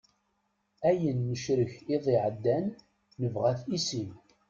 Ayen necrek iḍ iɛeddan nebɣa-t i sin.